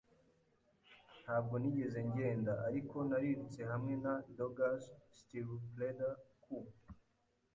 ntabwo nigeze ngenda, ariko narirutse hamwe na Dogger's stirrupleather ku